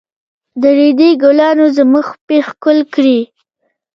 د ريدي ګلانو زموږ پښې ښکل کړې.